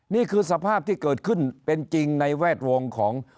นี่คือสภาพที่เกิดขึ้นเป็นจริงในแวดวงของ